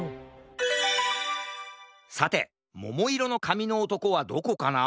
さてももいろのかみのおとこはどこかな？